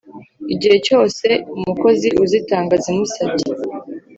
igihe cyose umukozi uzitanga azimusabye.